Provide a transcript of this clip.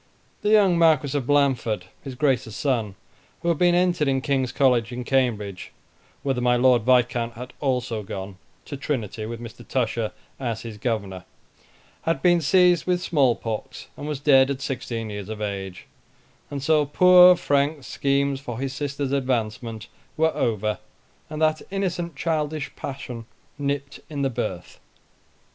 The young Marquis of Blandford, his Grace's son, who had been entered in King's College in Cambridge, (whither my Lord Viscount had also gone, to Trinity, with Mr. Tusher as his governor,) had been seized with small pox, and was dead at sixteen years of age, and so poor Frank's schemes for his sister's advancement were over, and that innocent childish passion nipped in the birth.